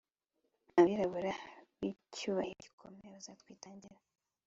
Abirabura bicyubahiro gikomeye bazatwitangira